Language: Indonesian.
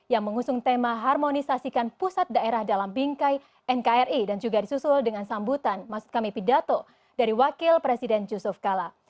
yang mengusung tema harmonisasikan pusat daerah dalam bingkai nkri dan juga disusul dengan sambutan maksud kami pidato dari wakil presiden yusuf kala